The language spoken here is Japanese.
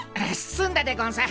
すんだでゴンス。